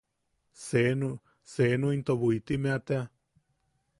Senu... senu into Bwitimeʼa tea.